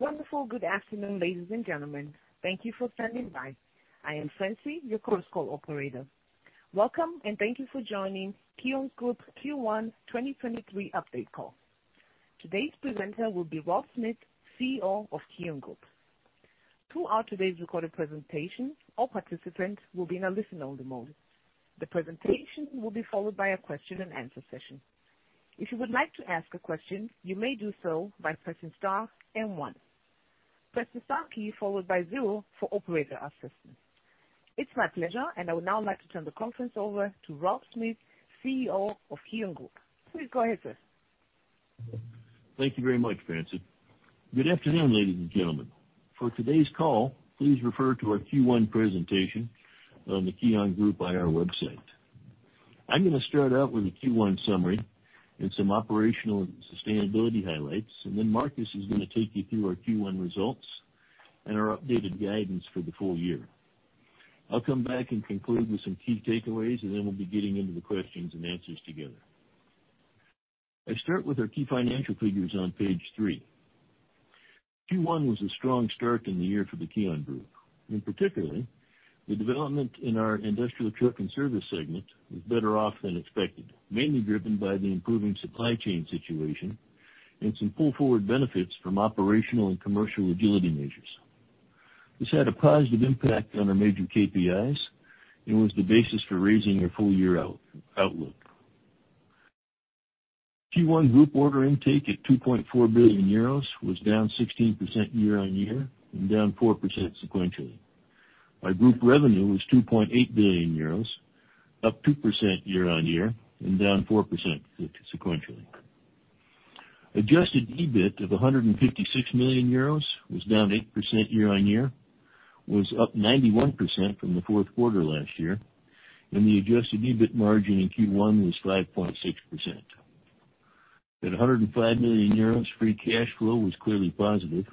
Wonderful. Good afternoon, ladies and gentlemen. Thank you for standing by. I am Francie, your Chorus Call operator. Welcome and thank you for joining KION Group's Q1 2023 update call. Today's presenter will be Rob Smith, CEO of KION Group. Throughout today's recorded presentation, all participants will be in a listen-only mode. The presentation will be followed by a question-and-answer session. If you would like to ask a question, you may do so by pressing star and one. Press the star key followed by zero for operator assistance. It's my pleasure. I would now like to turn the conference over to Rob Smith, CEO of KION Group. Please go ahead, sir. Thank you very much, Francie. Good afternoon, ladies and gentlemen. For today's call, please refer to our Q1 presentation on the KION Group IR website. I'm gonna start out with a Q1 summary and some operational and sustainability highlights, and then Marcus is gonna take you through our Q1 results and our updated guidance for the full year. I'll come back and conclude with some key takeaways, and then we'll be getting into the questions and answers together. I start with our key financial figures on page 3. Q1 was a strong start in the year for the KION Group. In particular, the development in our Industrial Trucks & Services segment was better off than expected, mainly driven by the improving supply chain situation and some pull forward benefits from operational and commercial agility measures. This had a positive impact on our major KPIs and was the basis for raising our full year out-outlook. Q1 group order intake at 2.4 billion euros was down 16% year-on-year and down 4% sequentially, while group revenue was 2.8 billion euros, up 2% year-on-year and down 4% sequentially. Adjusted EBIT of 156 million euros was down 8% year-on-year, was up 91% from the fourth quarter last year. The adjusted EBIT margin in Q1 was 5.6%. At 105 million euros, free cash flow was clearly positive.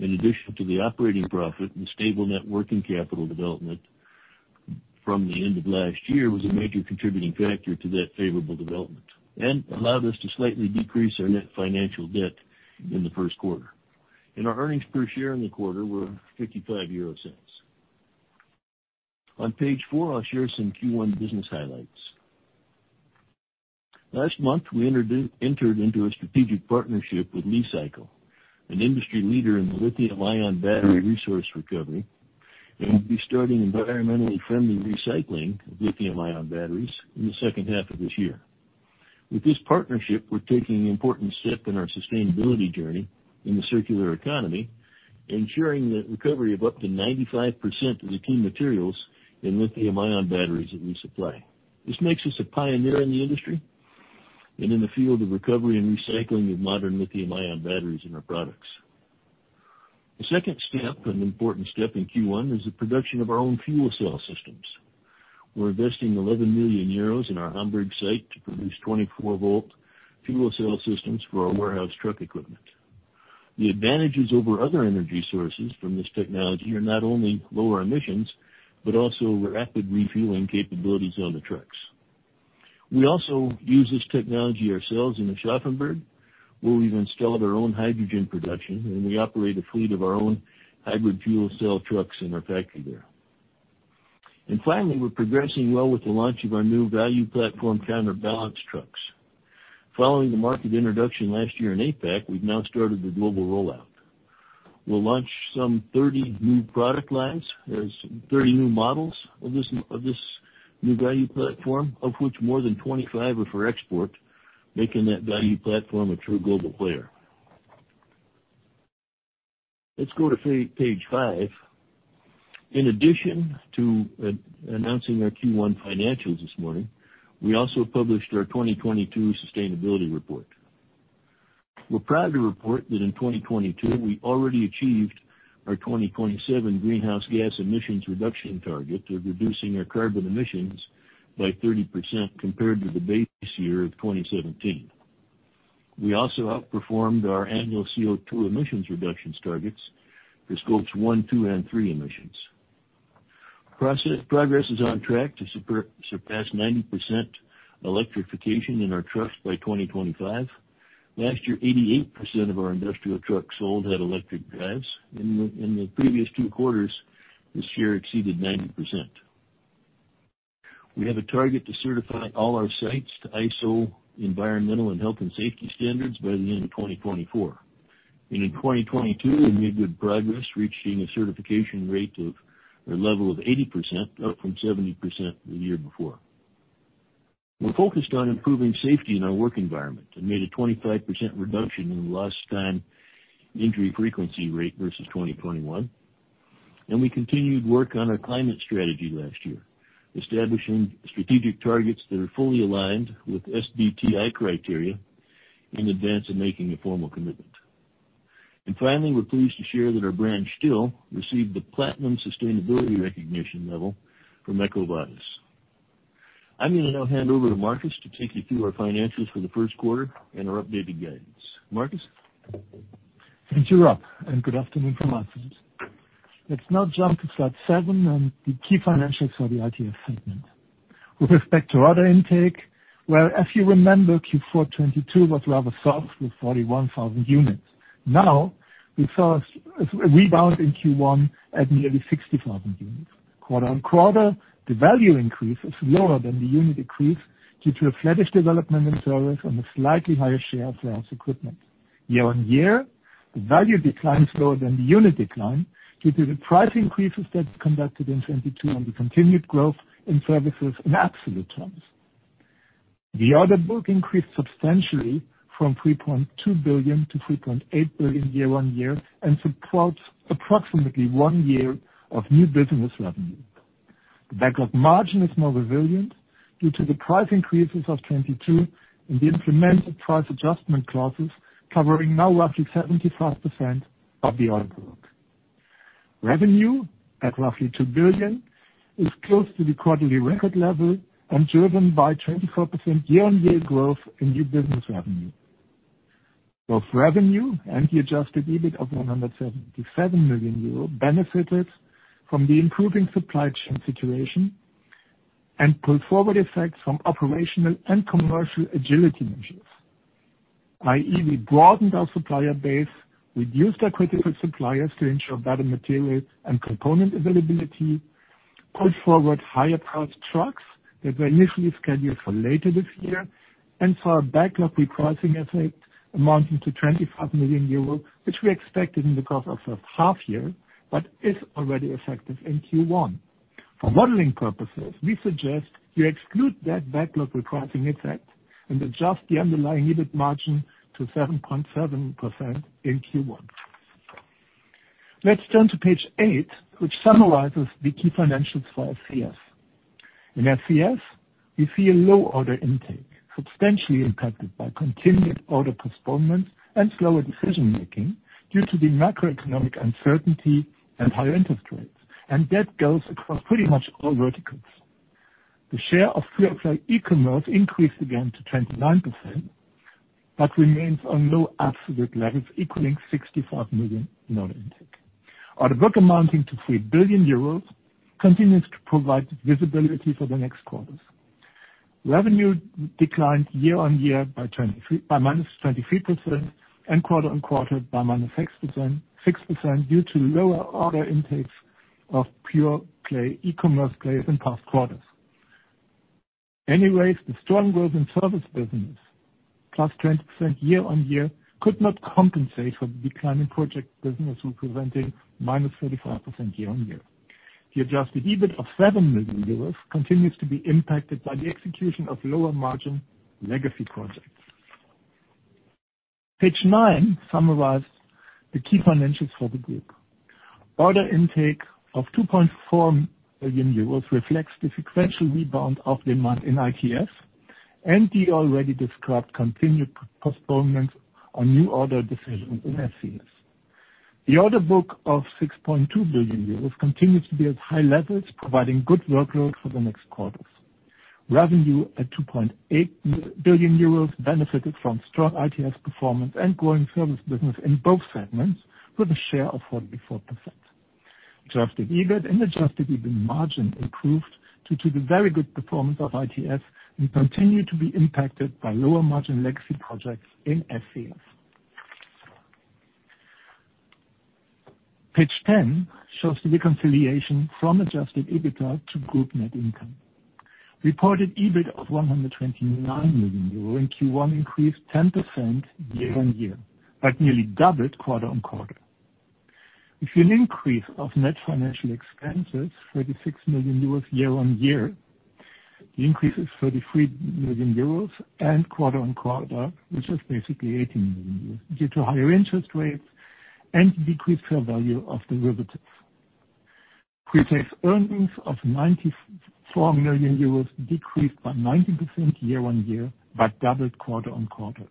In addition to the operating profit and stable net working capital development from the end of last year was a major contributing factor to that favorable development and allowed us to slightly decrease our net financial debt in the first quarter. Our earnings per share in the quarter were 0.55. On page four, I'll share some Q1 business highlights. Last month, we entered into a strategic partnership with Li-Cycle, an industry leader in lithium-ion battery resource recovery, and we'll be starting environmentally friendly recycling of lithium-ion batteries in the second half of this year. With this partnership, we're taking an important step in our sustainability journey in the circular economy, ensuring the recovery of up to 95% of the key materials in lithium-ion batteries that we supply. This makes us a pioneer in the industry and in the field of recovery and recycling of modern lithium-ion batteries in our products. The second step, an important step in Q1, is the production of our own fuel cell systems. We're investing 11 million euros in our Hamburg site to produce 24 volt fuel cell systems for our warehouse truck equipment. The advantages over other energy sources from this technology are not only lower emissions, but also rapid refueling capabilities on the trucks. We also use this technology ourselves in Aschaffenburg, where we've installed our own hydrogen production. We operate a fleet of our own hybrid fuel cell trucks in our factory there. Finally, we're progressing well with the launch of our new value platform, Counterbalance Trucks. Following the market introduction last year in APAC, we've now started the global rollout. We'll launch some 30 new product lines. There's 30 new models of this, of this new value platform, of which more than 25 are for export, making that value platform a true global player. Let's go to page 5. In addition to announcing our Q1 financials this morning, we also published our 2022 sustainability report. We're proud to report that in 2022, we already achieved our 2027 greenhouse gas emissions reduction target of reducing our carbon emissions by 30% compared to the base year of 2017. We also outperformed our annual CO2 emissions reductions targets for Scopes 1, 2, and 3 emissions. Progress is on track to super-surpass 90% electrification in our trucks by 2025. Last year, 88% of our industrial trucks sold had electric drives. In the previous two quarters, this year exceeded 90%. We have a target to certify all our sites to ISO environmental and health and safety standards by the end of 2024. In 2022, we made good progress, reaching a certification rate or level of 80%, up from 70% the year before. We're focused on improving safety in our work environment and made a 25% reduction in lost time injury frequency rate versus 2021. We continued work on our climate strategy last year, establishing strategic targets that are fully aligned with SBTi criteria in advance of making a formal commitment. Finally, we're pleased to share that our brand, STILL, received the platinum sustainability recognition level from EcoVadis. I'm gonna now hand over to Marcus to take you through our financials for the first quarter and our updated guidance. Marcus? Thank you, Rob, and good afternoon from my side. Let's now jump to Slide 7 and the key financials for the ITS segment. With respect to order intake, well, if you remember Q4 2022 was rather soft with 41,000 units. Now we saw a rebound in Q1 at nearly 60,000 units. Quarter-on-quarter, the value increase is lower than the unit decrease due to a flattish development in service and a slightly higher share of sales equipment. Year-on-year, the value decline is lower than the unit decline due to the price increases that conducted in 2022 and the continued growth in services in absolute terms. The order book increased substantially from 3.2 billion-3.8 billion year-on-year, and supports approximately one year of new business revenue. The backlog margin is more resilient due to the price increases of 2022 and the implemented price adjustment clauses covering now roughly 75% of the order book. Revenue, at roughly 2 billion, is close to the quarterly record level and driven by 24% year-on-year growth in new business revenue. Both revenue and the adjusted EBIT of 177 million euro benefited from the improving supply chain situation and pull forward effects from operational and commercial agility measures. I.e., we broadened our supplier base, reduced our critical suppliers to ensure better material and component availability, put forward higher priced trucks that were initially scheduled for later this year, and saw a backlog repricing effect amounting to 25 million euros, which we expected in the course of the half year but is already effective in Q1. For modeling purposes, we suggest you exclude that backlog repricing effect and adjust the underlying EBIT margin to 7.7% in Q1. Let's turn to page 8, which summarizes the key financials for SCS. In SCS, we see a low order intake, substantially impacted by continued order postponement and slower decision-making due to the macroeconomic uncertainty and higher interest rates. That goes across pretty much all verticals. The share of pure play e-commerce increased again to 29%, but remains on low absolute levels, equaling 65 million in order intake. Order book amounting to 3 billion euros continues to provide visibility for the next quarters. Revenue declined year-over-year by minus 23% and quarter-on-quarter by minus 6% due to lower order intakes of pure play e-commerce players in past quarters. The strong growth in service business, +20% year-on-year, could not compensate for the declining project business, representing -35% year-on-year. The adjusted EBIT of 7 million euros continues to be impacted by the execution of lower margin legacy projects. Page 9 summarizes the key financials for the group. Order intake of 2.4 billion euros reflects the sequential rebound of demand in ITS and the already described continued postponement on new order decisions in SCS. The order book of 6.2 billion euros continues to be at high levels, providing good workload for the next quarters. Revenue at 2.8 billion euros benefited from strong ITS performance and growing service business in both segments with a share of 44%. Adjusted EBIT and adjusted EBIT margin improved due to the very good performance of ITS and continue to be impacted by lower margin legacy projects in SCS. Page 10 shows the reconciliation from adjusted EBITDA to group net income. Reported EBIT of 129 million euro in Q1 increased 10% year-on-year, but nearly doubled quarter-on-quarter. With an increase of net financial expenses, 36 million euros year-on-year, the increase is 33 million euros and quarter-on-quarter, which is basically 18 million euros, due to higher interest rates and decreased fair value of derivatives. Pretax earnings of 94 million euros decreased by 90% year-on-year, but doubled quarter-on-quarter.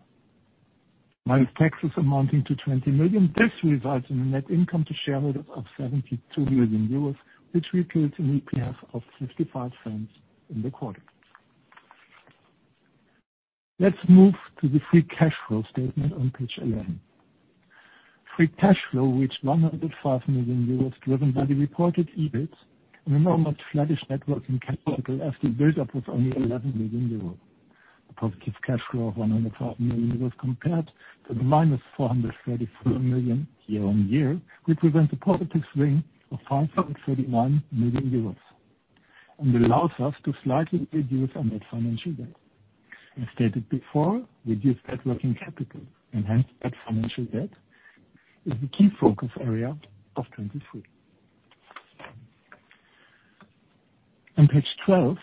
Minus taxes amounting to 20 million, this results in a net income to shareholders of 72 million euros, which equates an EPS of 0.55 in the quarter. Let's move to the free cash flow statement on page 11. Free cash flow reached 105 million euros, driven by the reported EBIT and a normal flattish net working capital as the build-up was only 11 million euros. A positive cash flow of 105 million euros compared to the -434 million year-over-year, which presents a positive swing of 531 million euros, and allows us to slightly reduce our net financial debt. As stated before, reduced net working capital, enhanced net financial debt is the key focus area of 2023. On page 12,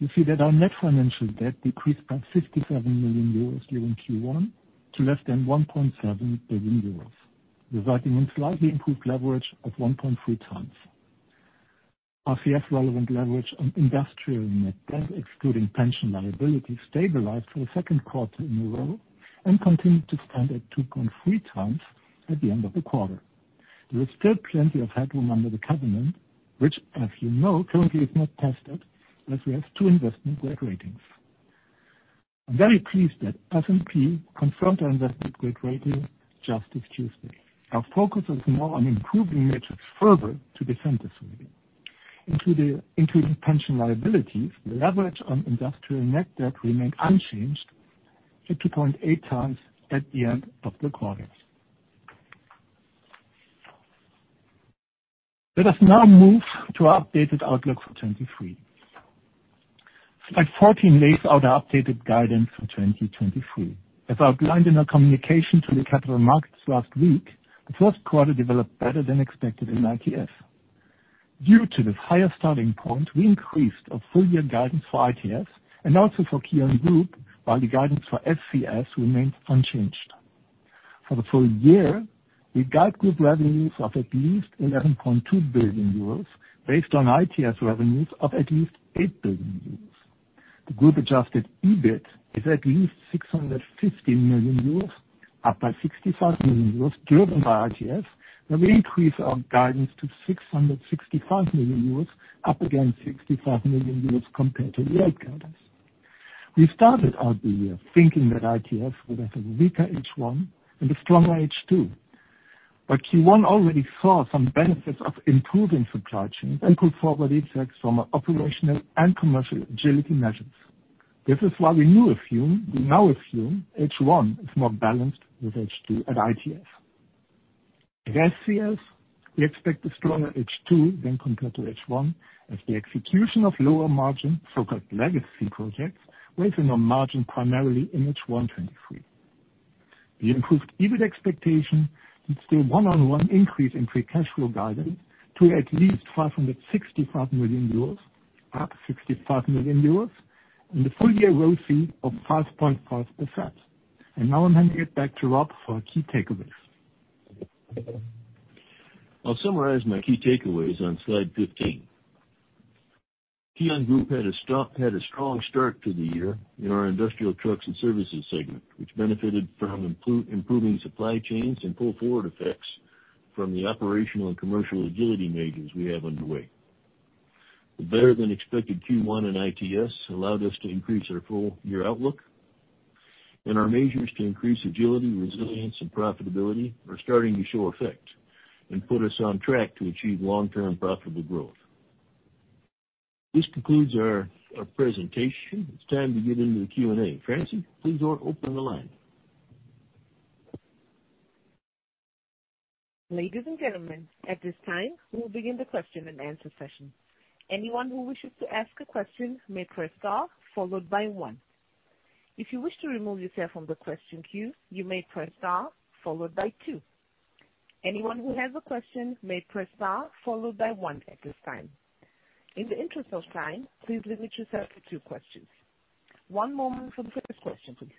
you see that our net financial debt decreased by 57 million euros during Q1 to less than 1.7 billion euros, resulting in slightly improved leverage of 1.3x. Our CS-relevant leverage on industrial net debt, excluding pension liability, stabilized for the second quarter in a row and continued to stand at 2.3x at the end of the quarter. There is still plenty of headroom under the covenant, which, as you know, currently is not tested as we have two investment-grade ratings. I'm very pleased that S&P confirmed our investment-grade rating just this Tuesday. Our focus is now on improving metrics further to defend this rating. Including pension liabilities, the leverage on industrial net debt remained unchanged at 2.8x at the end of the quarter. Let us now move to our updated outlook for 2023. Slide 14 lays out our updated guidance for 2023. Outlined in our communication to the capital markets last week, the first quarter developed better than expected in ITS. Due to this higher starting point, we increased our full year guidance for ITS and also for KION Group, while the guidance for SCS remains unchanged. For the full year, we guide group revenues of at least 11.2 billion euros, based on ITS revenues of at least 8 billion euros. The group adjusted EBIT is at least 650 million euros, up by 65 million euros, driven by ITS, and we increase our guidance to 665 million euros, up again 65 million euros compared to the year guidance. We started out the year thinking that ITS would have a weaker H1 and a stronger H2, but Q1 already saw some benefits of improving supply chains and pull forward effects from our operational and commercial agility measures. This is why we now assume H1 is more balanced with H2 at ITS. At SCS, we expect a stronger H2 when compared to H1, as the execution of lower margin, so-called legacy projects, weighs on our margin primarily in H1 2023. The improved EBIT expectation leads to a one-on-one increase in free cash flow guidance to at least 565 million euros, up 65 million euros, and a full year growth rate of 5.5%. Now I'm handing it back to Rob for our key takeaways. I'll summarize my key takeaways on Slide 15. KION Group had a strong start to the year in our Industrial Trucks & Services segment, which benefited from improving supply chains and pull forward effects from the operational and commercial agility measures we have underway. The better-than-expected Q1 in ITS allowed us to increase our full year outlook. Our measures to increase agility, resilience, and profitability are starting to show effect and put us on track to achieve long-term profitable growth. This concludes our presentation. It's time to get into the Q&A. Francie, please go on, open the line. Ladies and gentlemen, at this time, we will begin the question and answer session. Anyone who wishes to ask a question may press star followed by one. If you wish to remove yourself from the question queue, you may press star followed by two. Anyone who has a question may press star followed by one at this time. In the interest of time, please limit yourself to two questions. One moment for the first question, please.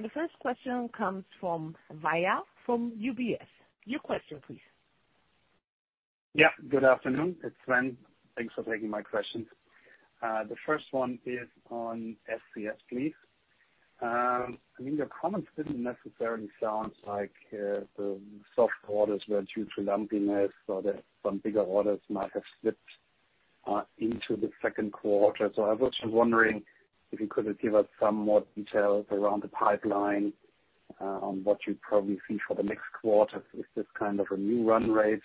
The first question comes from Sven Weier, from UBS. Your question please. Good afternoon. It's Sven. Thanks for taking my questions. The first one is on SCS, please. I mean, your comments didn't necessarily sound like the soft orders were due to lumpiness or that some bigger orders might have slipped into the second quarter. I was just wondering if you could have give us some more details around the pipeline on what you probably see for the next quarter. Is this kind of a new run rate,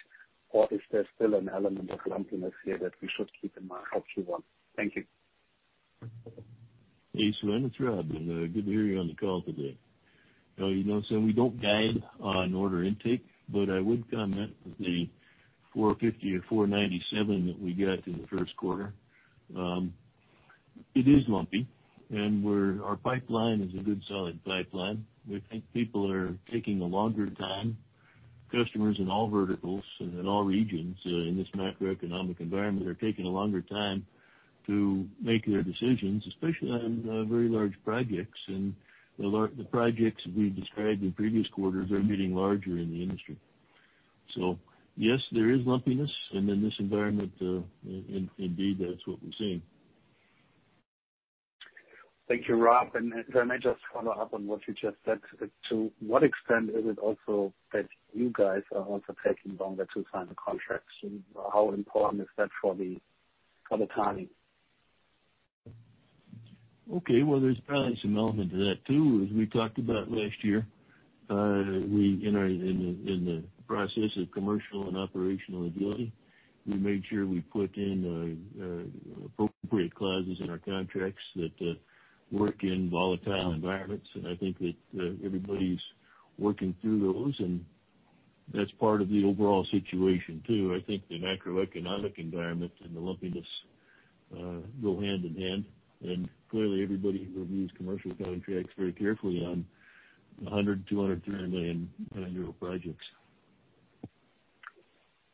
or is there still an element of lumpiness here that we should keep in mind for Q1? Thank you. Hey, Sven, it's Rob. Good to hear you on the call today. Well, you know, Sven, we don't guide on order intake, but I would comment that the 450 or 497 that we got in the first quarter, it is lumpy and our pipeline is a good solid pipeline. We think people are taking a longer time. Customers in all verticals and in all regions, in this macroeconomic environment are taking a longer time to make their decisions, especially on very large projects. The projects we've described in previous quarters are getting larger in the industry. Yes, there is lumpiness and in this environment, indeed, that's what we're seeing. Thank you, Rob. May I just follow up on what you just said? To what extent is it also that you guys are also taking longer to sign the contracts? How important is that for the, for the timing? Okay. Well, there's probably some element to that, too. As we talked about last year, we, in our, in the process of commercial and operational agility, we made sure we put in appropriate clauses in our contracts that work in volatile environments. I think that everybody's working through those, and that's part of the overall situation, too. I think the macroeconomic environment and the lumpiness go hand in hand. Clearly, everybody reviews commercial contracts very carefully on 100 million, 200 million, 300 million projects.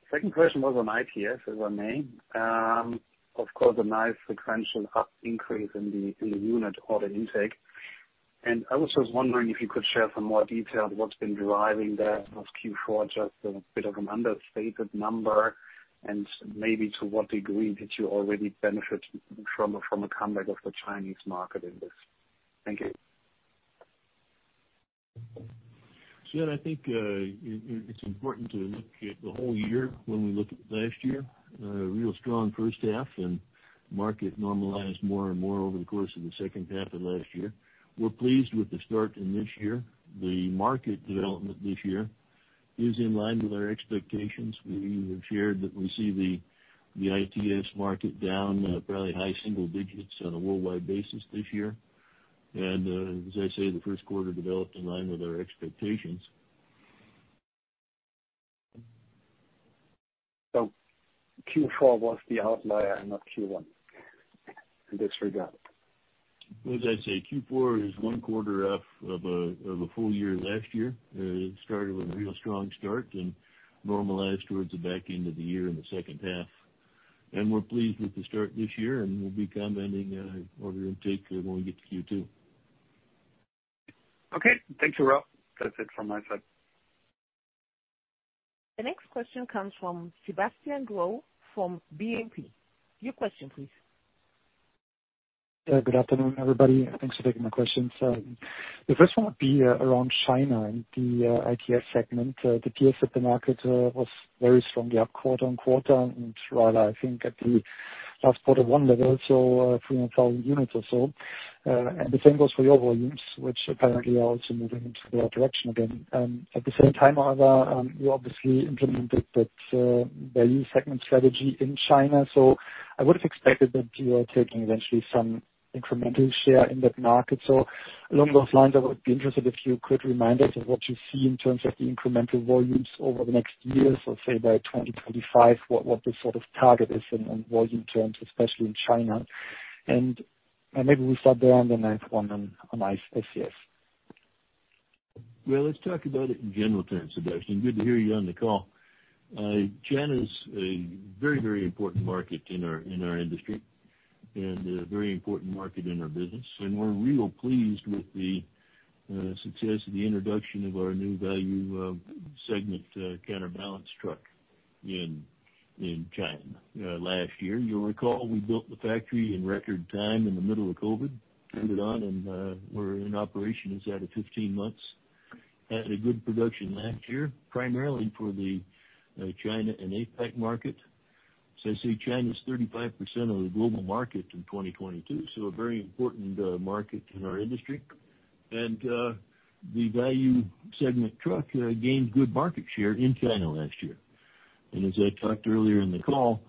Second question was on ITS, if I may. Of course, a nice sequential up increase in the unit order intake. I was just wondering if you could share some more detail on what's been driving that. Was Q4 just a bit of an understated number? Maybe to what degree did you already benefit from a comeback of the Chinese market in this? Thank you. I think it's important to look at the whole year when we look at last year. Real strong first half and market normalized more and more over the course of the second half of last year. We're pleased with the start in this year. The market development this year is in line with our expectations. We have shared that we see the ITS market down probably high single digits on a worldwide basis this year. As I say, the first quarter developed in line with our expectations. Q4 was the outlier and not Q1 in this regard? As I say, Q4 is one quarter off of a full year last year. It started with a real strong start and normalized towards the back end of the year in the second half. We're pleased with the start this year, and we'll be commenting, order intake, when we get to Q2. Okay. Thanks, Rob. That's it from my side. The next question comes from Sebastian Growe from BNP. Your question, please. Yeah, good afternoon, everybody. Thanks for taking my questions. The first one would be around China and the ITS segment. The PS at the market was very strongly up quarter-on-quarter, and while I think at the last quarter, one level so, 300,000 units or so. The same goes for your volumes, which apparently are also moving into that direction again. At the same time, however, you obviously implemented that value segment strategy in China. I would have expected that you are taking eventually some incremental share in that market. Along those lines, I would be interested if you could remind us of what you see in terms of the incremental volumes over the next years or say by 2025, what the sort of target is in volume terms, especially in China. Maybe we start there, and then I have one on ITS. Well, let's talk about it in general terms, Sebastian. Good to hear you on the call. China's a very, very important market in our industry, and a very important market in our business. We're real pleased with the success of the introduction of our new value segment counterbalance truck in China last year. You'll recall we built the factory in record time in the middle of COVID, turned it on, and we're in operation as at of 15 months. Had a good production last year, primarily for the China and APAC market. I'd say China is 35% of the global market in 2022, so a very important market in our industry. The value segment truck gained good market share in China last year. As I talked earlier in the call,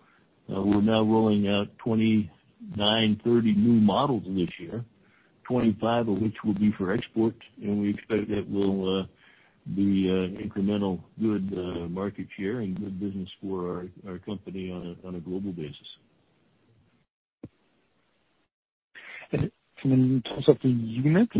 we're now rolling out 29, 30 new models this year, 25 of which will be for export. We expect that will be an incremental good market share and good business for our company on a global basis. In terms of the units,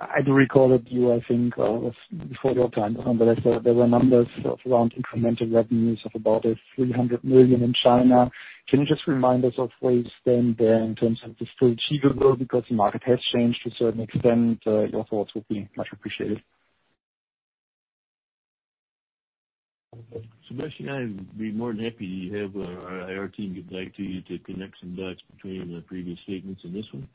I do recall that you, I think, it was before your time, but I saw there were numbers of around incremental revenues of about 300 million in China. Can you just remind us of where you stand there in terms of is this still achievable because the market has changed to a certain extent? Your thoughts would be much appreciated. Sebastian, I'd be more than happy to have our IR team get back to you to connect some dots between the previous statements and this one.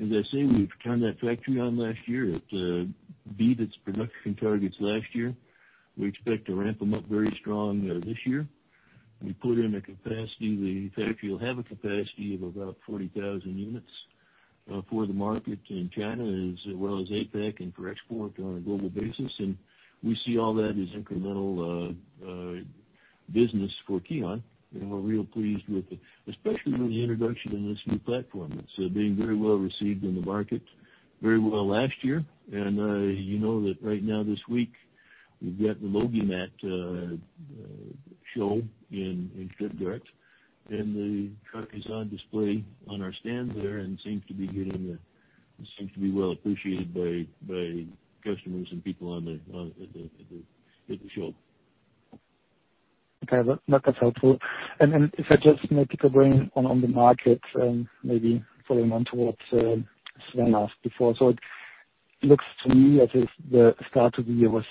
As I say, we've turned that factory on last year. It beat its production targets last year. We expect to ramp them up very strong this year. The factory will have a capacity of about 40,000 units for the market in China as well as APAC and for export on a global basis. We see all that as incremental business for KION. We're real pleased with it, especially with the introduction of this new platform. It's being very well received in the market, very well last year. You know that right now this week, we've got the LogiMAT show in Stuttgart, and the truck is on display on our stand there and seems to be getting, seems to be well appreciated by customers and people at the show. Okay. That's helpful. If I just may pick your brain on the market, maybe following on towards Sven asked before. It looks to me as if the start of the year was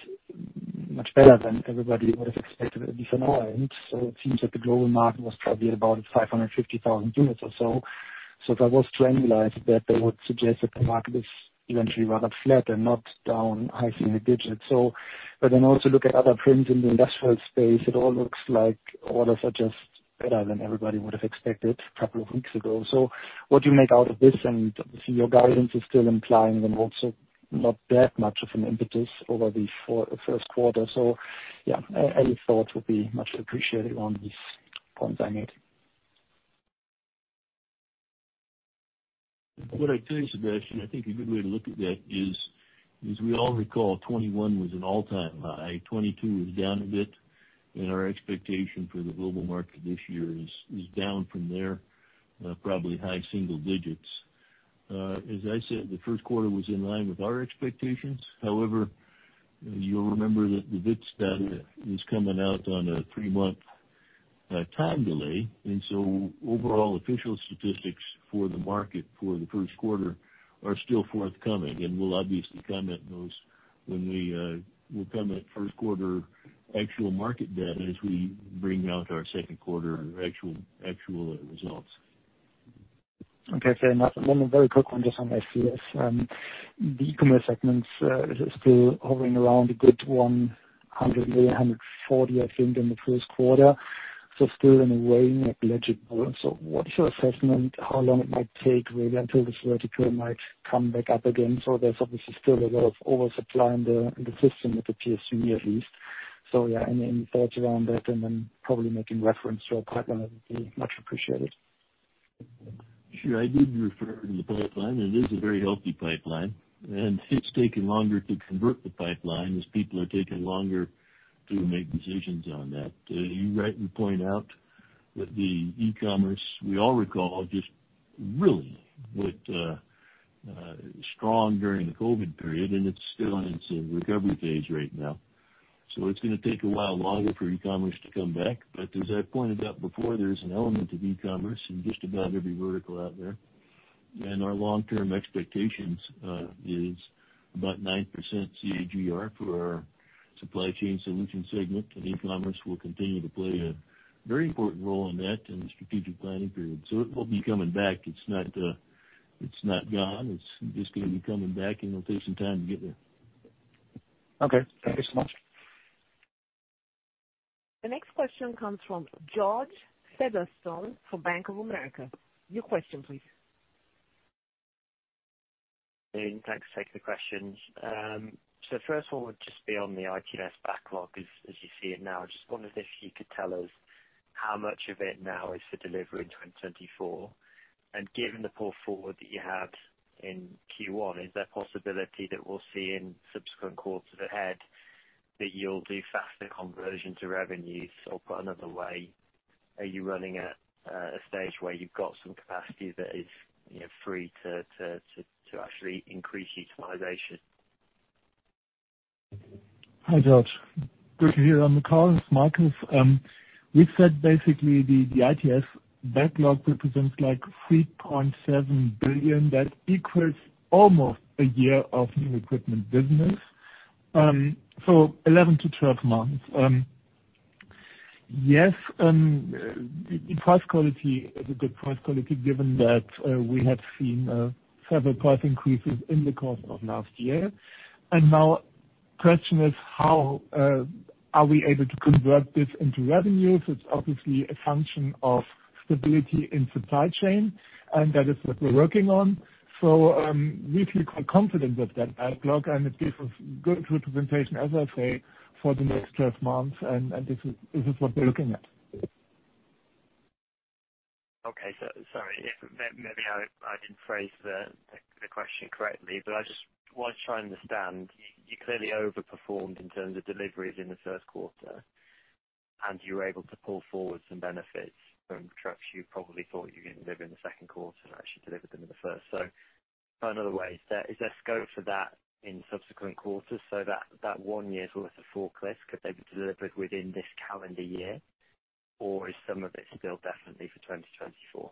much better than everybody would have expected it to be for now. It seems that the global market was probably at about 550,000 units or so. If I was to annualize that would suggest that the market is eventually rather flat and not down high single digits. Also look at other trends in the industrial space, it all looks like orders are just better than everybody would have expected a couple of weeks ago. What do you make out of this? obviously, your guidance is still implying then also not that much of an impetus over the first quarter. yeah, any thought would be much appreciated on these points I made. What I'd say, Sebastian, I think a good way to look at that is, as we all recall, 2021 was an all-time high. 2022 was down a bit. Our expectation for the global market this year is down from there, probably high single digits. As I said, the first quarter was in line with our expectations. However, you'll remember that the WITS data is coming out on a three-month time delay. Overall official statistics for the market for the first quarter are still forthcoming, and we'll obviously comment those when we comment first quarter actual market data as we bring out our second quarter actual results. Okay, fair enough. A very quick one just on ITS. The e-commerce segments is still hovering around a good 100 million, 140 million, I think, in the first quarter. Still in a way negligible. What's your assessment, how long it might take really until this vertical might come back up again? There's obviously still a lot of oversupply in the system with the PSU at least. Yeah, any thoughts around that and then probably making reference to our pipeline would be much appreciated. Sure. I did refer to the pipeline, it is a very healthy pipeline. It's taking longer to convert the pipeline as people are taking longer to make decisions on that. You're right to point out that the E-commerce, we all recall, just really went strong during the COVID period, and it's still in its recovery phase right now. It's gonna take a while longer for E-commerce to come back. As I pointed out before, there's an element of E-commerce in just about every vertical out there. Our long-term expectations is about 9% CAGR for our Supply Chain Solutions segment. E-commerce will continue to play a very important role in that in the strategic planning period. It will be coming back. It's not gone. It's just gonna be coming back. It'll take some time to get there. Okay. Thank you so much. The next question comes from George Featherstone for Bank of America. Your question please. Thanks. Thanks for the questions. First of all, just be on the ITS backlog as you see it now. I just wondered if you could tell us how much of it now is for delivery in 2024. Given the pull forward that you had in Q1, is there a possibility that we'll see in subsequent quarters ahead that you'll do faster conversion to revenues? Put another way, are you running at a stage where you've got some capacity that is, you know, free to actually increase utilization? Hi, George. Good to hear on the call. It's Marcus. We said basically the ITS backlog represents like 3.7 billion. That equals almost a year of new equipment business. So 11 to 12 months. Yes, the price quality is a good price quality given that we have seen several price increases in the course of last year. Now question is how are we able to convert this into revenues? It's obviously a function of stability in supply chain, and that is what we're working on. We feel quite confident with that backlog and it gives us good representation, as I say, for the next 12 months. This is what we're looking at. Sorry if maybe I didn't phrase the question correctly. I just was trying to understand, you clearly overperformed in terms of deliveries in the first quarter, and you were able to pull forward some benefits from trucks you probably thought you were gonna deliver in the second quarter and actually delivered them in the first. Put another way, is there scope for that in subsequent quarters so that one year's worth of forklift could they be delivered within this calendar year? Is some of it still definitely for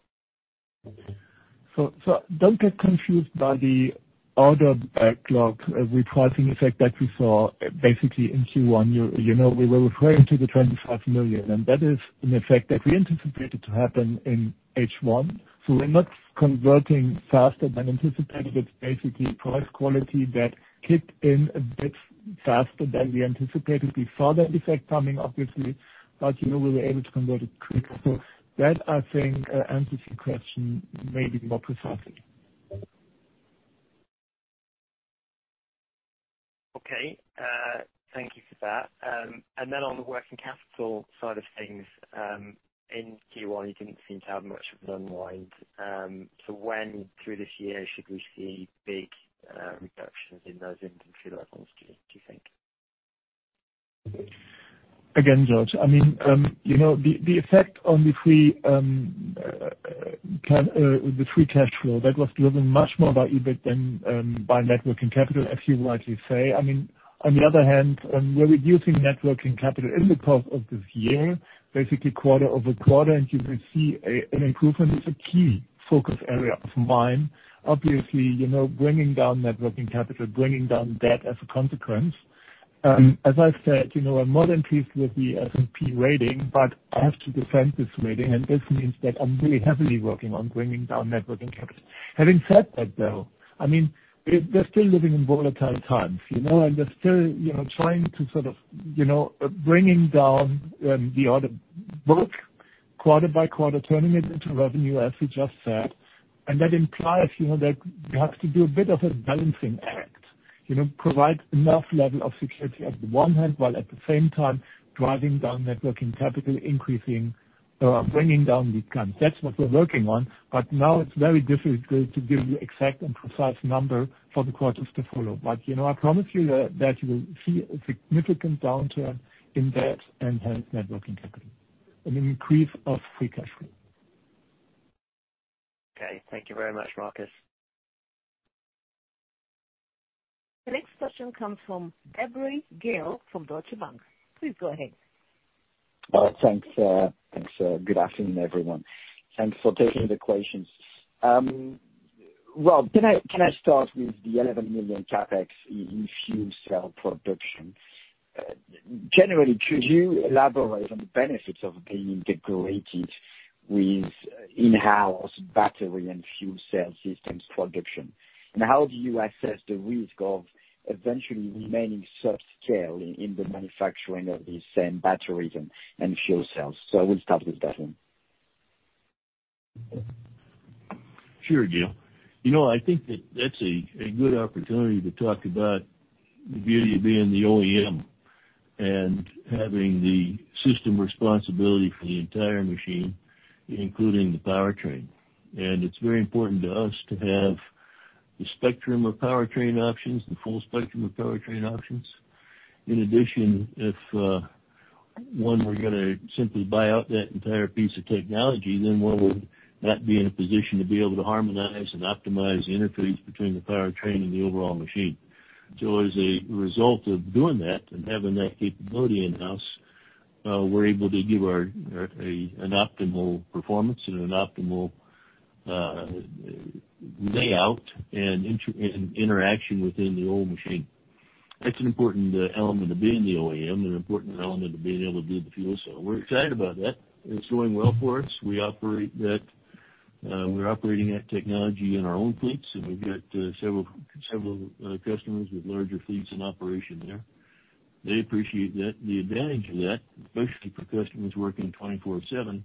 2024? Don't get confused by the order backlog repricing effect that we saw basically in Q1. You know, we were referring to the 25 million, and that is an effect that we anticipated to happen in H1. We're not converting faster than anticipated. It's basically price quality that kicked in a bit faster than we anticipated. We saw that effect coming obviously, but you know, we were able to convert it quicker. That, I think, answers your question maybe more precisely. Okay. Thank you for that. On the working capital side of things, in Q1, you didn't seem to have much of an unwind. When through this year should we see big reductions in those inventory levels, do you think? George, I mean, you know, the effect on the free cash flow that was driven much more by EBIT than by net working capital, as you rightly say. I mean, on the other hand, we're reducing net working capital in the course of this year, basically quarter-over-quarter, you will see an improvement. It's a key focus area of mine. Obviously, you know, bringing down net working capital, bringing down debt as a consequence. As I said, you know, I'm more than pleased with the S&P rating. I have to defend this rating. This means that I'm really heavily working on bringing down net working capital. Having said that, though, I mean, we're still living in volatile times, you know, and we're still, you know, trying to sort of, you know, bringing down the order book quarter-by-quarter, turning it into revenue, as we just said. That implies, you know, that we have to do a bit of a balancing act. You know, Provide enough level of security on the one hand, while at the same time driving down net working capital, increasing or bringing down the accounts. That's what we're working on. Now it's very difficult to give you exact and precise number for the quarters to follow. You know, I promise you that you will see a significant downturn in debt and net working capital and an increase of free cash flow. Okay. Thank you very much, Marcus. The next question comes from Gael de-Bray from Deutsche Bank. Please go ahead. Thanks. good afternoon, everyone. Thanks for taking the questions. well, can I start with the 11 million CapEx in fuel cell production? Generally, could you elaborate on the benefits of being integrated with in-house battery and fuel cell systems production? How do you assess the risk of eventually remaining subscale in the manufacturing of these same batteries and fuel cells? We'll start with that one. Sure, Gael. You know, I think that that's a good opportunity to talk about the beauty of being the OEM and having the system responsibility for the entire machine, including the powertrain. It's very important to us to have the spectrum of powertrain options, the full spectrum of powertrain options. In addition, if one, we're gonna simply buy out that entire piece of technology, then one, we'll not be in a position to be able to harmonize and optimize the interface between the powertrain and the overall machine. As a result of doing that and having that capability in-house, we're able to give our an optimal performance and an optimal layout and interaction within the old machine. That's an important element of being the OEM and an important element of being able to do the fuel cell. We're excited about that. It's going well for us. We operate that, we're operating that technology in our own fleets, and we've got several customers with larger fleets in operation there. They appreciate that. The advantage of that, especially for customers working 24/7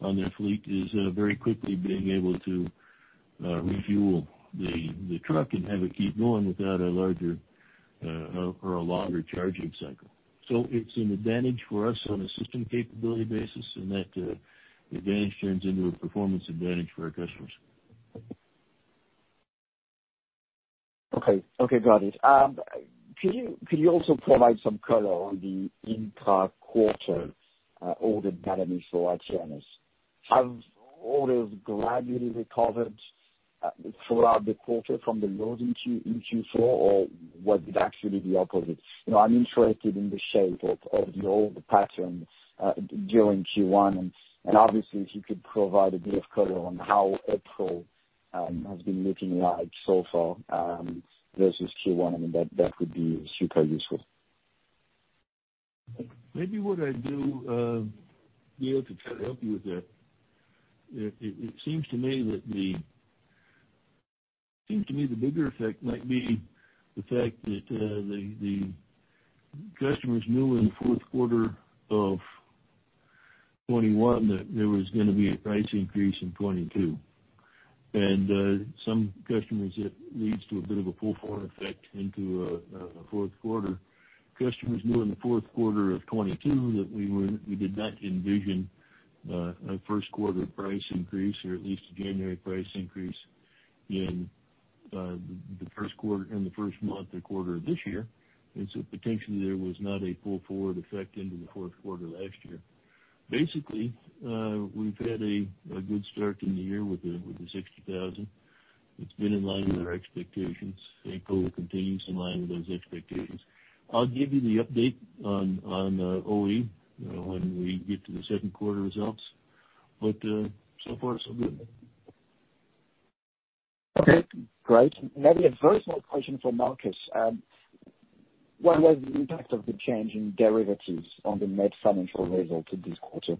on their fleet, is very quickly being able to refuel the truck and have it keep going without a larger, or a longer charging cycle. It's an advantage for us on a system capability basis, and that advantage turns into a performance advantage for our customers. Okay. Okay, got it. Could you also provide some color on the intra-quarter order dynamics for NTs? Have orders gradually recovered throughout the quarter from the lows in Q4, or was it actually the opposite? You know, I'm interested in the shape of the old pattern during Q1 and obviously if you could provide a bit of color on how April has been looking like so far versus Q1, I mean, that would be super useful. Maybe what I'd do, Gael, to try to help you with that, seems to me the bigger effect might be the fact that the customers knew in the fourth quarter of 2021 that there was gonna be a price increase in 2022. Some customers, it leads to a bit of a pull-forward effect into fourth quarter. Customers knew in the fourth quarter of 2022 that we were, we did not envision a first quarter price increase or at least a January price increase in the first quarter, in the first month or quarter of this year. Potentially there was not a pull-forward effect into the fourth quarter last year. Basically, we've had a good start in the year with the 60,000. It's been in line with our expectations. April continues in line with those expectations. I'll give you the update on OE when we get to the second quarter results, but so far, so good. Okay, great. Maybe a very small question for Marcus. What was the impact of the change in derivatives on the net financial result this quarter?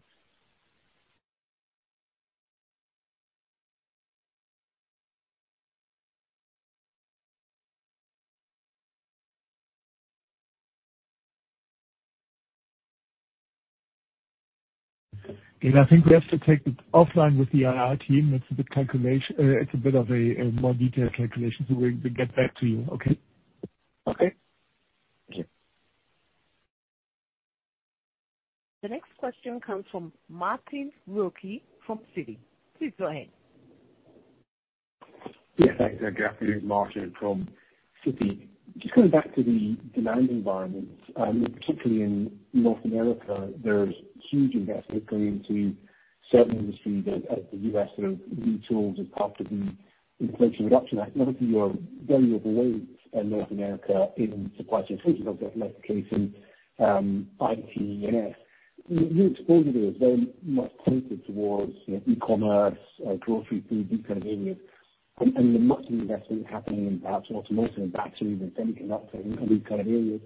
Gael, I think we have to take it offline with the IR team. It's a bit of a more detailed calculation, so we'll get back to you. Okay? Okay. Thank you. The next question comes from Martin Wilkie from Citi. Please go ahead. Yes, thank you. Rob, it is Martin from Citi. Just coming back to the demand environment, particularly in North America, there's huge investment going into certain industries as the U.S. sort of retools as part of the Inflation Reduction Act. Obviously you are very overweight in North America in Supply Chain Solutions, obviously electrification, IT and ES. Your exposure there is very much tilted towards, you know, e-commerce, grocery, food, these kind of areas. There's much investment happening in perhaps automotive and batteries and semiconductor and these kind of areas.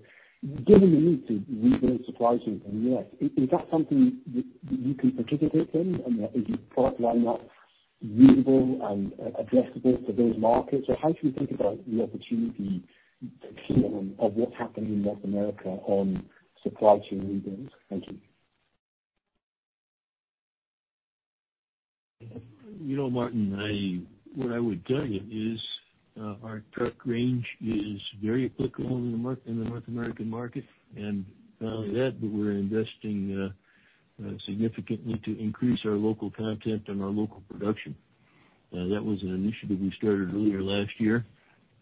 Given the need to rebuild supply chain in the U.S., is that something that you can participate in? Is your product line up usable and addressable for those markets? How should we think about the opportunity to of what's happening in North America on supply chain rebuilds? Thank you. You know, Martin, I, what I would tell you is, our truck range is very applicable in the North American market. Not only that, but we're investing significantly to increase our local content and our local production. That was an initiative we started earlier last year.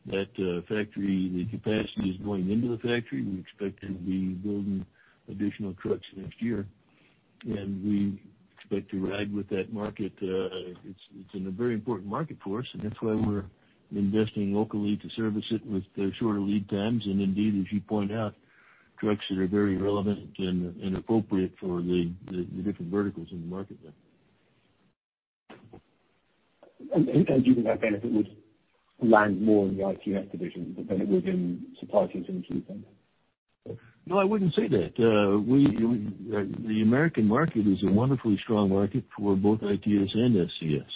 That factory, the capacity is going into the factory. We expect to be building additional trucks next year, and we expect to ride with that market. It's been a very important market for us, and that's why we're investing locally to service it with the shorter lead times, and indeed, as you point out, trucks that are very relevant and appropriate for the different verticals in the market there. Do you think that benefit would land more in the ITS division than it would in Supply Chain Solutions then? No, I wouldn't say that. The American market is a wonderfully strong market for both ITS and SCS.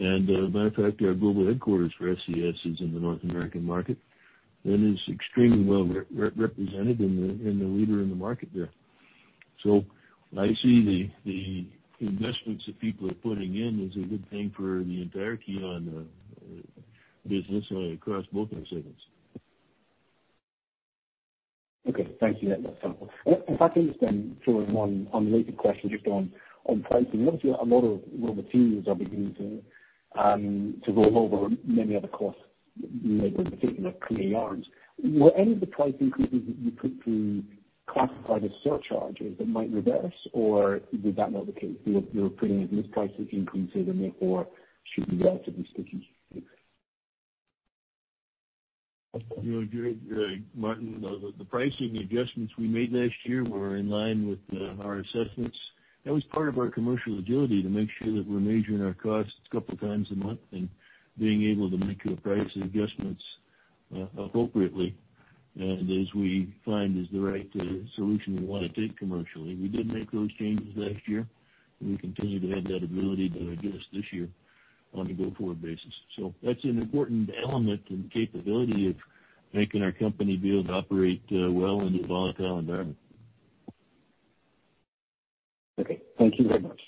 Matter of fact, our global headquarters for SCS is in the North American market and is extremely well represented and the leader in the market there. I see the investments that people are putting in as a good thing for the entire KION business across both our segments. Okay. Thank you. That's helpful. If I can just then throw in one unrelated question just on pricing. Obviously, a lot of, lot of the teams are beginning to roll over many of the costs made at the beginning of previous years. Were any of the price increases that you put through classified as surcharges that might reverse, or was that not the case? You're, you're putting in these price increases in therefore should be relatively sticky? No, you're right, Martin. The pricing adjustments we made last year were in line with our assessments. That was part of our commercial agility to make sure that we're measuring our costs a couple of times a month and being able to make good price adjustments appropriately. As we find is the right solution we wanna take commercially. We did make those changes last year, and we continue to have that ability to adjust this year on a go-forward basis. That's an important element and capability of making our company be able to operate well in a volatile environment. Okay, thank you very much.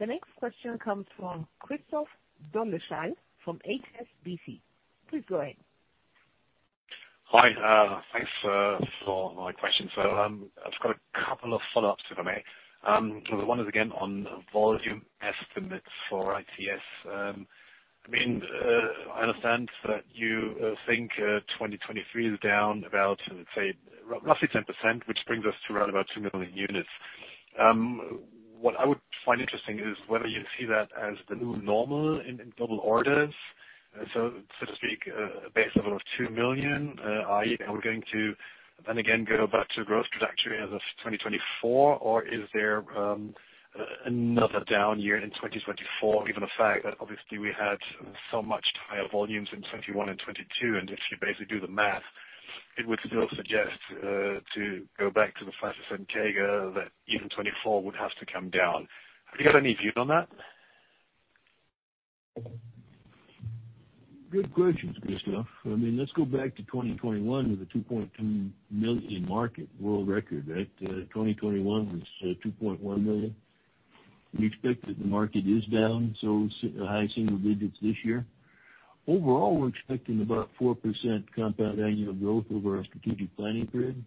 The next question comes from Christoph Dolleschal from HSBC. Please go ahead. Hi. Thanks for my question. I've got a couple of follow-ups, if I may. One is again on volume estimates for ITS. I mean, I understand that you think 2023 is down about, let's say, roughly 10%, which brings us to around about 2 million units. What I would find interesting is whether you see that as the new normal in global orders, so to speak, a base level of 2 million, i.e., are we going to then again go back to growth trajectory as of 2024? Is there another down year in 2024, given the fact that obviously we had so much higher volumes in 2021 and 2022, and if you basically do the math, it would still suggest, to go back to the fastest and CAGR that even 2024 would have to come down. Have you got any view on that? Good questions, Christoph. I mean, let's go back to 2021 with a 2.2 million market. World record, right? 2021 was 2.1 million. We expect that the market is down, so high single digits this year. Overall, we're expecting about 4% compound annual growth over our strategic planning period.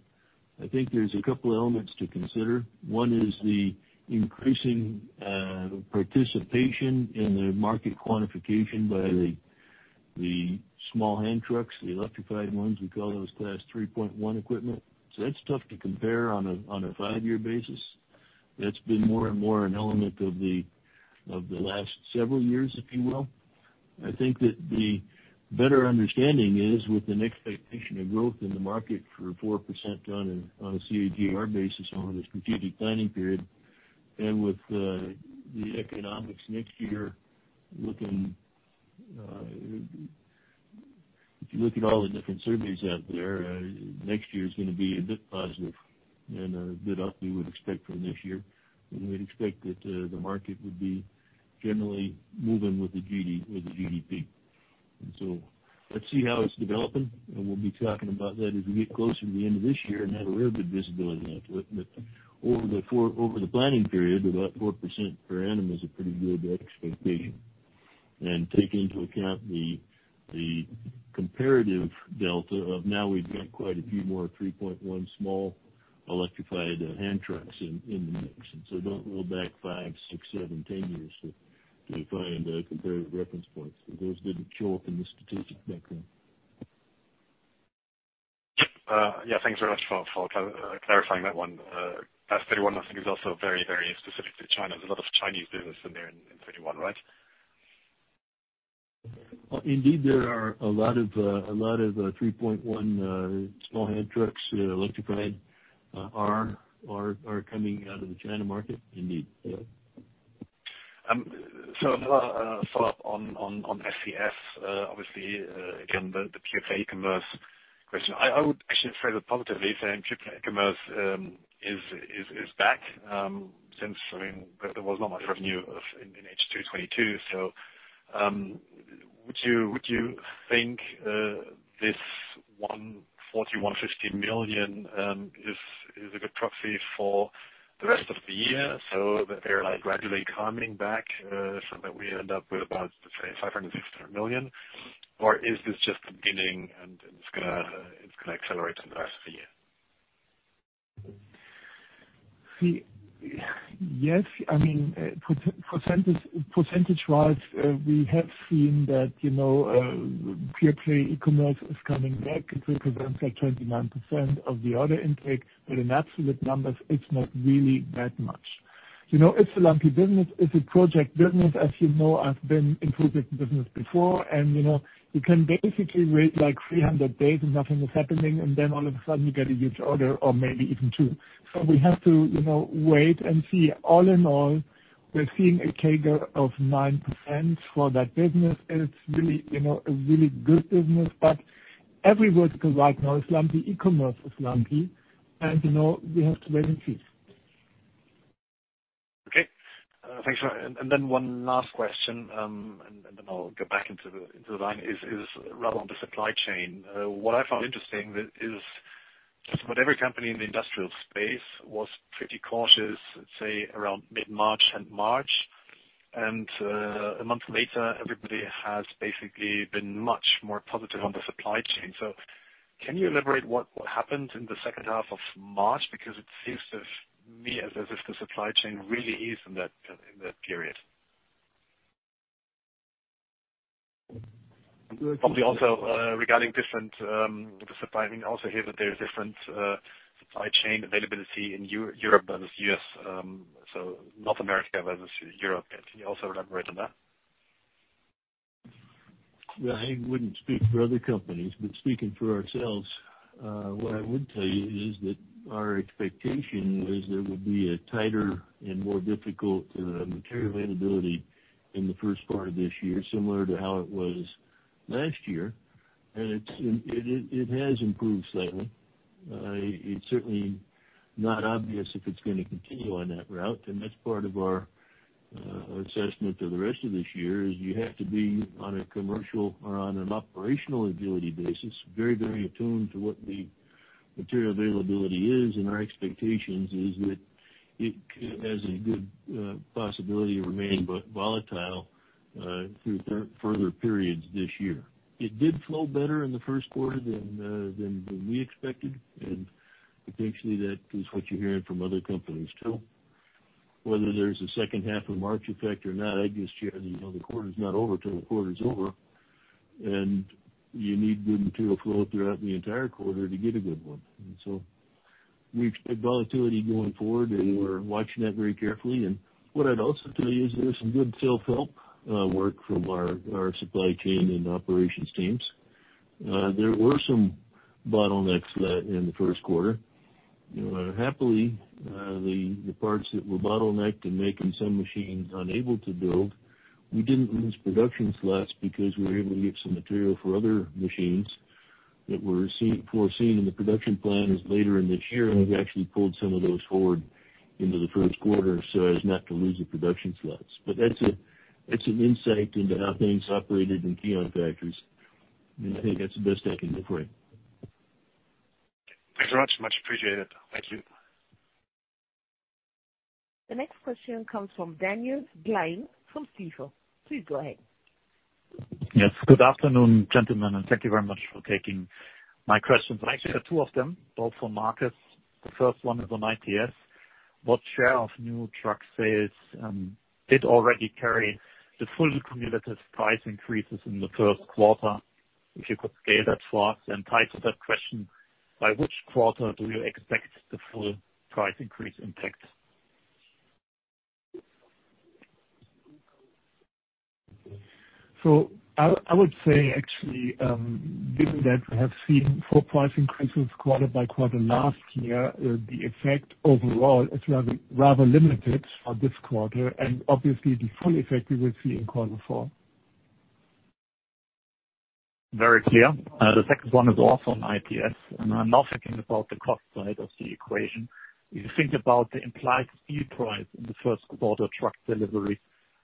I think there's a couple elements to consider. One is the increasing participation in the market quantification by the small hand trucks, the electrified ones, we call those Class 3.1 equipment. That's tough to compare on a five-year basis. That's been more and more an element of the, of the last several years, if you will. I think that the better understanding is with an expectation of growth in the market for 4% on a CAGR basis over the strategic planning period and with the economics next year, looking. If you look at all the different surveys out there, next year is gonna be a bit positive and a good up we would expect from this year. We'd expect that the market would be generally moving with the GDP. Let's see how it's developing, and we'll be talking about that as we get closer to the end of this year and have a little bit of visibility on it. Over the planning period, about 4% per annum is a pretty good expectation. Take into account the comparative delta of now we've got quite a few more 3.1 small electrified hand trucks in the mix. Don't roll back five, six, seven, 10 years to find comparative reference points. Those didn't show up in the strategic background. Yep. Yeah, thanks very much for clarifying that one. Class 3.1 I think is also very, very specific to China. There's a lot of Chinese business in there in 3.1, right? Indeed, there are a lot of Class 3.1 small hand trucks, electrified, are coming out of the China market indeed. Yeah. Another follow-up on SCS. Obviously, again, the pure-play e-commerce question. I would actually phrase it positively saying pure-play e-commerce is back since, I mean, there was not much revenue in H2 2022. Would you think this 140 million-150 million is a good proxy for the rest of the year so that they're, like, gradually coming back, so that we end up with about, let's say, 560 million? Or is this just the beginning and it's gonna accelerate over the rest of the year? See, yes. I mean, percentage-wise, we have seen that, you know, pure-play e-commerce is coming back. It represents, like, 29% of the order intake, but in absolute numbers, it's not really that much. You know, it's a lumpy business. It's a project business. As you know, I've been in project business before, you know, you can basically wait like 300 days and nothing is happening, all of a sudden, you get a huge order or maybe even two. We have to, you know, wait and see. All in all, we're seeing a CAGR of 9% for that business, it's really, you know, a really good business. Every vertical right now is lumpy, e-commerce is lumpy. You know, we have to wait and see. Okay. Thanks for that. Then one last question, and then I'll go back into the line, is rather on the supply chain. What I found interesting is just about every company in the industrial space was pretty cautious, let's say around mid-March and March. A month later, everybody has basically been much more positive on the supply chain. Can you elaborate what happened in the second half of March? Because it seems to me as if the supply chain really eased in that, in that period. Probably also regarding different, the supply, I mean, also hear that there's different supply chain availability in Europe versus US. North America versus Europe. Can you also elaborate on that? Well, I wouldn't speak for other companies, but speaking for ourselves, what I would tell you is that our expectation was there would be a tighter and more difficult, material availability in the first part of this year, similar to how it was last year. It has improved slightly. It's certainly not obvious if it's gonna continue on that route, and that's part of our assessment of the rest of this year, is you have to be on a commercial or on an operational ability basis, very, very attuned to what the material availability is, and our expectations is that it has a good possibility of remaining volatile, through further periods this year. It did flow better in the first quarter than we expected, and potentially that is what you're hearing from other companies too. Whether there's a second half of March effect or not, I'd just share the, you know, the quarter's not over till the quarter's over. You need good material flow throughout the entire quarter to get a good one. We expect volatility going forward, and we're watching that very carefully. What I'd also tell you is there's some good self-help work from our supply chain and operations teams. There were some bottlenecks in the first quarter. You know, happily, the parts that were bottlenecked and making some machines unable to build, we didn't lose production slots because we were able to get some material for other machines that were foreseen in the production plan as later in this year, and we've actually pulled some of those forward into the first quarter so as not to lose the production slots. That's an insight into how things operated in KION factories. I think that's the best I can do for you. Thanks very much. Much appreciated. Thank you. The next question comes from Daniel Gleim from Jefferies. Please go ahead. Yes, good afternoon, gentlemen, thank you very much for taking my questions. I actually have two of them, both for Marcus. The first one is on ITS. What share of new truck sales did already carry the full cumulative price increases in the first quarter? If you could scale that for us. Tied to that question, by which quarter do you expect the full price increase impact? I would say actually, given that we have seen full price increases quarter-by-quarter last year, the effect overall is rather limited for this quarter, and obviously the full effect we will see in quarter four. Very clear. The second one is also on ITS, I'm now thinking about the cost side of the equation. If you think about the implied steel price in the first quarter truck delivery,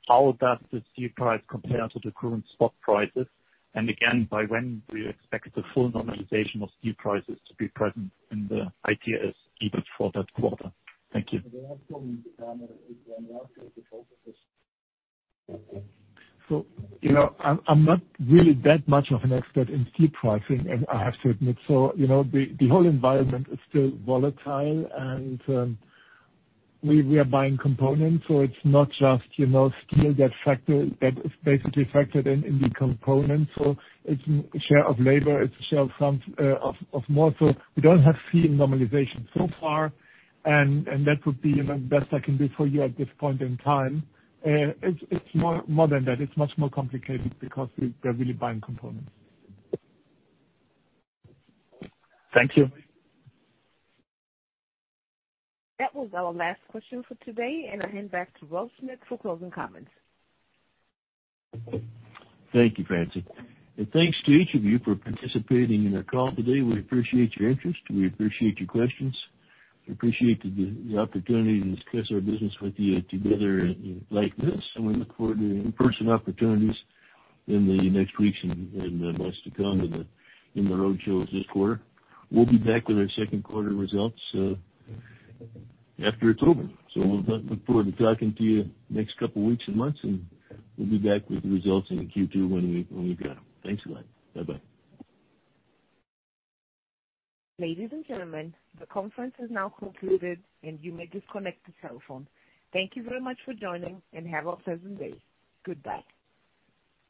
how does the steel price compare to the current spot prices? Again, by when do you expect the full normalization of steel prices to be present in the ITS EBIT for that quarter? Thank you. You know, I'm not really that much of an expert in steel pricing, I have to admit. You know, the whole environment is still volatile and we are buying components, so it's not just, you know, steel that is basically factored in the component. It's share of labor, it's a share of some of more. We don't have seen normalization so far and that would be the best I can do for you at this point in time. It's more than that. It's much more complicated because we're really buying components. Thank you. That was our last question for today. I hand back to Rob Smith for closing comments. Thank you, Francie. Thanks to each of you for participating in our call today. We appreciate your interest. We appreciate your questions. We appreciate the opportunity to discuss our business with you together like this. We look forward to in-person opportunities in the next weeks and months to come in the road shows this quarter. We'll be back with our second quarter results after October. We'll look forward to talking to you next couple weeks and months, and we'll be back with results in Q2 when we've got them. Thanks a lot. Bye-bye. Ladies and gentlemen, the conference has now concluded, and you may disconnect the telephone. Thank you very much for joining, and have a pleasant day. Goodbye.